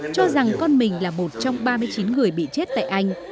cho rằng con mình là một trong ba mươi chín người bị chết tại anh